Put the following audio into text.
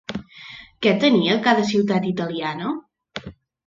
Què tenia cada ciutat italiana?